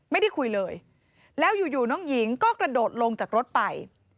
ไม่ได้คุยเลยแล้วอยู่น้องหญิงก็กระโดดลงจากรถไป